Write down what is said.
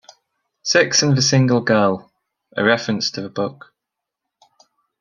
Six and the Single Girl, a reference to the book.